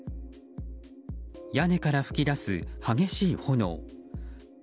屋根から噴き出す激しい炎。